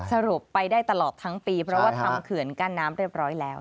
สรุปไปได้ตลอดทั้งปีเพราะว่าทำเขื่อนกั้นน้ำเรียบร้อยแล้ว